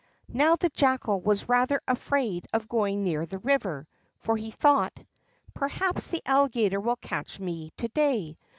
Now the Jackal was rather afraid of going near the river, for he thought: "Perhaps the Alligator will catch me to day."